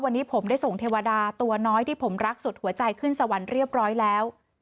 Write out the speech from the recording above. วันนี้ผมได้ส่งเทวดาตัวน้อยที่ผมรักสุดหัวใจขึ้นสวรรค์เรียบร้อยแล้ว